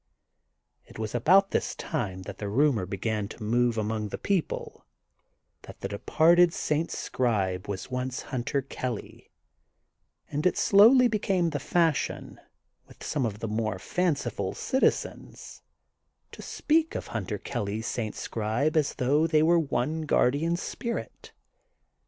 It was about this time that the rumor began to move among the people that the departed St. ScribQ was once Hunter Kelly and it slowly became the fashion, with THE GOLDEN BOOK OF SPRINGFIELD 175 some of the more fanciful citizens^ to speak of Hunter Kelly St. Scribe as though they were one guardian spirit.